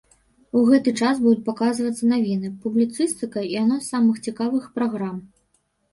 У гэты час будуць паказвацца навіны, публіцыстыка і анонс самых цікавых праграм.